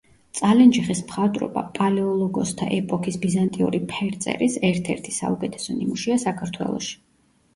წალენჯიხის მხატვრობა პალეოლოგოსთა ეპოქის ბიზანტიური ფერწერის ერთ-ერთი საუკეთესო ნიმუშია საქართველოში.